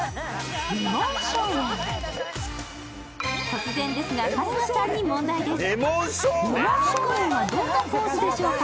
突然ですが、春日さんに問題です。